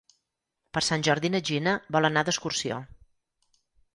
Per Sant Jordi na Gina vol anar d'excursió.